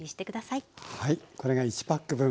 はいこれが１パック分。